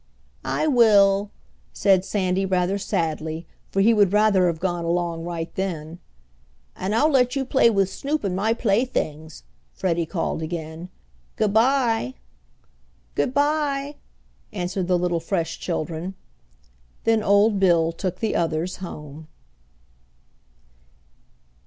"I will," said Sandy rather sadly, for he would rather have gone along right then. "And I'll let you play with Snoop and my playthings," Freddie called again. "Good bye." "Good bye," answered the little fresh children. Then old Bill took the others home.